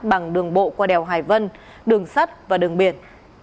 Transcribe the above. bằng đường bộ qua đèo hải vân đường sắt và đường biển